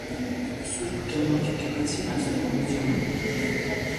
Սբ. Գևորգ եկեղեցին այսօր գոյություն ունի։